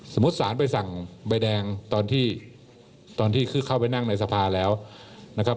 สมมุติสารไปสั่งใบแดงตอนที่คือเข้าไปนั่งในสภาแล้วนะครับ